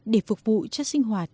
để phục vụ cho sinh hoạt